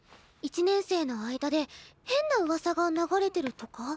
１年生の間で変なうわさが流れてるとか？